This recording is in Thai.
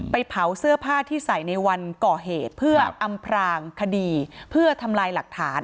เผาเสื้อผ้าที่ใส่ในวันก่อเหตุเพื่ออำพรางคดีเพื่อทำลายหลักฐาน